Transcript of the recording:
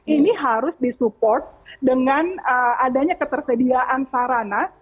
ini harus disupport dengan adanya ketersediaan sarana